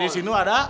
di situ ada